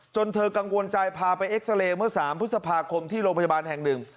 เธอกังวลใจพาไปเอ็กซาเรย์เมื่อ๓พฤษภาคมที่โรงพยาบาลแห่งหนึ่ง